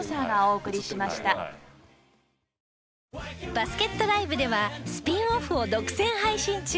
バスケットＬＩＶＥではスピンオフを独占配信中。